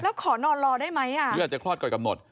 แล้วขอนอนรอได้ไหมอ่ะหรืออาจจะคลอดก่อนกำหนด